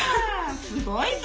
すごいぞ！